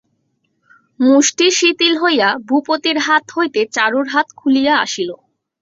মুষ্টি শিথিল হইয়া ভূপতির হাত হইতে চারুর হাত খুলিয়া আসিল।